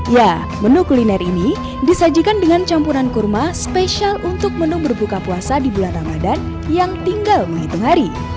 ya menu kuliner ini disajikan dengan campuran kurma spesial untuk menu berbuka puasa di bulan ramadan yang tinggal menghitung hari